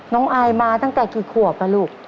น้องอายมาตั้งแต่กี่ขวบอ่ะลูก